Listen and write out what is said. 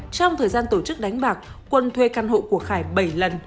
trong thời gian tổ chức đánh bạc quân thuê căn hộ của khải bảy lần